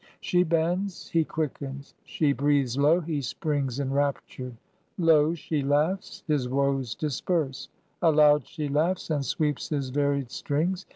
She bends, he quickens; she breathes low, he springs Enraptured; low she laughs, his woes disperse; Aloud she laughs and sweeps his varied strings.